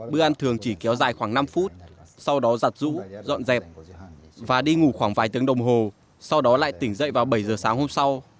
bữa ăn thường chỉ kéo dài khoảng năm phút sau đó giặt rũ dọn dẹp và đi ngủ khoảng vài tiếng đồng hồ sau đó lại tỉnh dậy vào bảy giờ sáng hôm sau